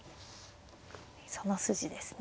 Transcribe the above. その筋ですね。